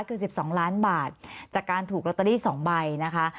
คือ๑๒ล้านบาทจากการถูกลอตเตอรี่๒ใบนะคะ